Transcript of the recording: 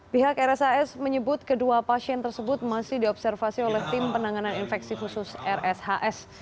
pihak rshs menyebut kedua pasien tersebut masih diobservasi oleh tim penanganan infeksi khusus rshs